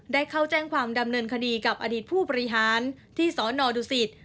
ได้เข้าแจ้งความดำเนินคดีกับอดีตผู้บริหารที่สนดุสิต